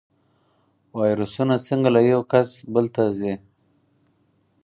ویروسونه څنګه له یو کس بل ته ځي؟